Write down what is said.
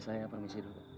saya permisi dulu pak